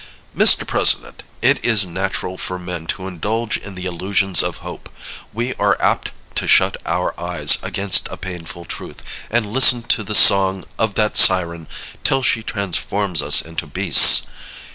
Mr. President: It is natural for man to indulge in the illusions of hope. We are apt to shut our eyes against a painful truth, and listen to the song of that siren till she transforms us into beasts.